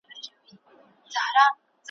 د سپي محتاج `